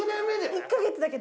１か月だけ。